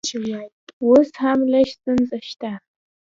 اوس هم لږ ستونزه شته